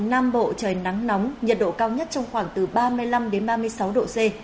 nam bộ trời nắng nóng nhiệt độ cao nhất trong khoảng từ ba mươi năm đến ba mươi sáu độ c